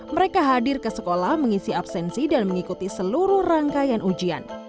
mereka hadir ke sekolah mengisi absensi dan mengikuti seluruh rangkaian ujian